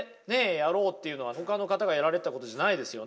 やろうっていうのはほかの方がやられてたことじゃないですよね。